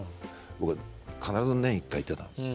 僕は必ず年一回行ってたんです。